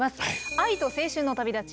「愛と青春の旅だち」